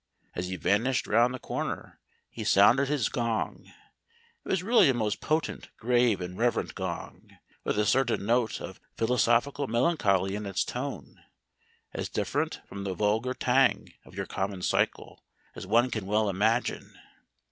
As he vanished round the corner he sounded his gong. It was really a most potent, grave, and reverend gong, with a certain note of philosophical melancholy in its tone, as different from the vulgar tang of your common cycle as one can well imagine.